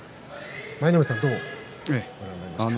舞の海さんどうご覧になりましたか。